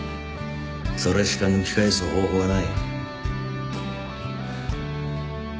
それしか抜き返す方法はない。